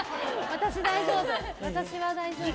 私は大丈夫。